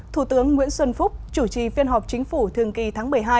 thủ tướng nguyễn xuân phúc chủ trì phiên họp chính phủ thường kỳ tháng một mươi hai